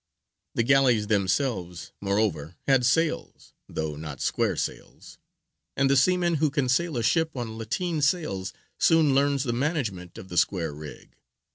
The galleys themselves, moreover, had sails, though not square sails; and the seaman who can sail a ship on lateen sails soon learns the management of the square rig.